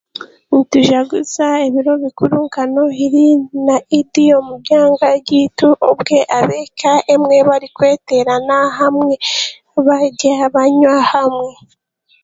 Nitujaguza ebiro bikuru nka Nohiri na Idi omu kyanga kyaitu obwe ab'eka emwe barikweteerana hamwe, barye, banywe hamwe.